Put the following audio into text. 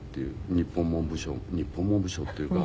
日本文部省日本文部省っていうか。